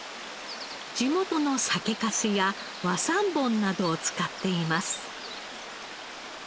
地元の酒かすや和三盆などを使っています。